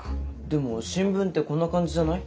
でも新聞ってこんな感じじゃない？